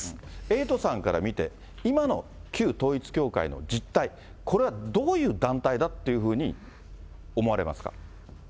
エイトさんから見て、今の旧統一教会の実態、これはどういう団体だというふうに思われますか。